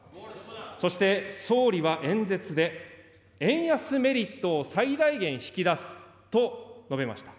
そして総理は演説で、円安メリットを最大限引き出すと述べました。